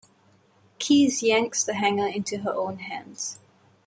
Keys yanks the hanger into her own hands.